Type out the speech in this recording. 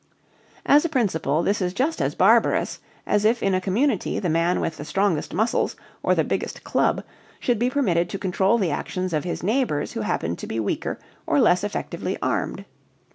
As a principle this is just as barbarous as if in a community the man with the strongest muscles or the biggest club should be permitted to control the actions of his neighbors who happened to be weaker or less effectively armed.